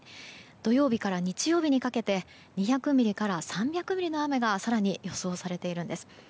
土曜日から日曜日にかけて２００ミリから３００ミリの雨が更に予想されているんです。